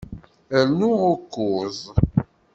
Rnu ukuẓ.